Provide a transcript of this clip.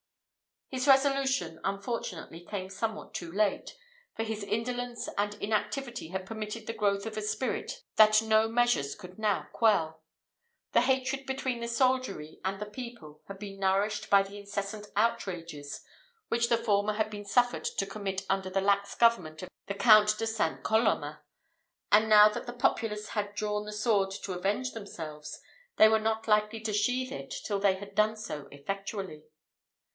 His resolution unfortunately came somewhat too late, for his indolence and inactivity had permitted the growth of a spirit that no measures could now quell. The hatred between the soldiery and the people had been nourished by the incessant outrages which the former had been suffered to commit under the lax government of the Count de St. Colomma; and now that the populace had drawn the sword to avenge themselves, they were not likely to sheath it till they had done so effectually.